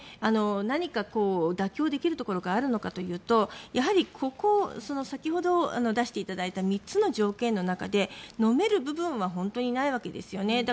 何か妥協できるところがあるのかというとやはり先ほど出していただいた３つの条件の中で飲める部分は本当にないわけですよね。